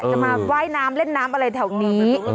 จะมาว่ายน้ำเล่นน้ำอะไรแถวนี้